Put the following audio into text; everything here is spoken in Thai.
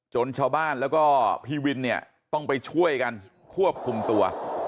ชาวบ้านแล้วก็พี่วินเนี่ยต้องไปช่วยกันควบคุมตัว